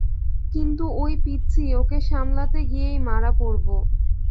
কিন্তু ঐ পিচ্চি, ওকে সামলাতে গিয়েই মারা পড়বো।